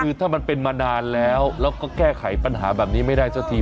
คือถ้ามันเป็นมานานแล้วแล้วก็แก้ไขปัญหาแบบนี้ไม่ได้สักที